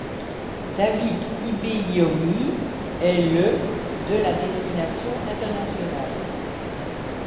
David Ibiyeomie est le de la dénomination internationale.